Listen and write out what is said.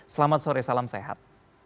selamat sore salam sehat